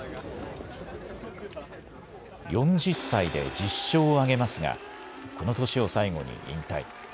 ４０歳で１０勝を挙げますが、この年を最後に引退。